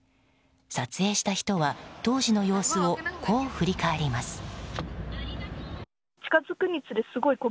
撮影した人は当時の様子をこう振り返ります。